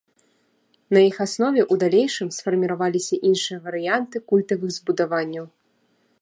На іх аснове ў далейшым сфарміраваліся іншыя варыянты культавых збудаванняў.